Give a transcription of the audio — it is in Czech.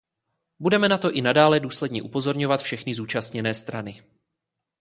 Budeme na to i nadále důsledně upozorňovat všechny zúčastněné strany.